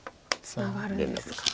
ツナがるんですか。